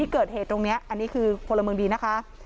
เกิดเหตุตรงนี้อันนี้คือพลเมืองดีนะคะ